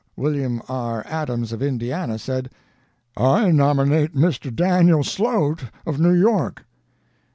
Wm. R. ADAMS of Indiana said: 'I nominate Mr. Daniel Slote of New York.'